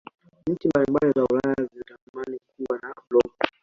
nchi mbalimbali za ulaya zinatamani Kuwa na blob